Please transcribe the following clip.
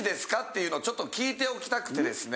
いうのをちょっと聞いておきたくてですね。